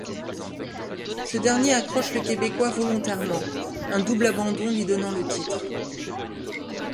Ce dernier accroche le Québécois volontairement, un double abandon lui donnant le titre.